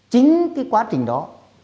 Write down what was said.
chính cái quá trình đó